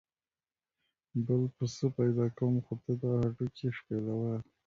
بل پسه پیدا کوم خو ته دا هډوکي شپېلوه.